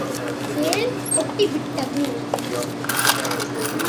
தேள் கொட்டி விட்டது.